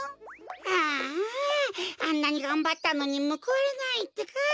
あああんなにがんばったのにむくわれないってか。